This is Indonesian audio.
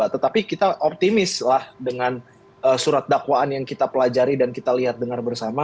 tetapi kita optimis lah dengan surat dakwaan yang kita pelajari dan kita lihat dengar bersama